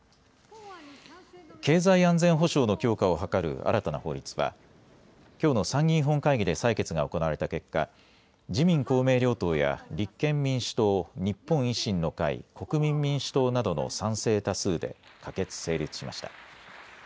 経済安全保障の強化を図る新たな法律はきょうの参議院本会議で採決が行われた結果、自民公明両党や立憲民主党、日本維新の会、国民民主党などの賛成多数で可決・成立しました。